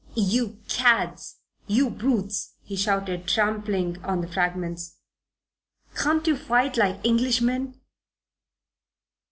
"You cads! You brutes!" he shouted, trampling on the fragments. "Can't you fight like Englishmen?"